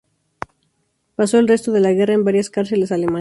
Pasó el resto de la guerra en varias cárceles alemanas.